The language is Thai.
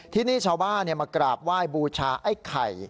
ที่นี่ชาวบ้านมากราบไหว้บูชาไอ้ไข่